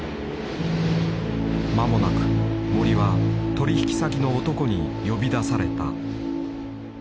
まもなく森は取引先の男に呼び出された。